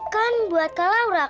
kan buat kak laura kan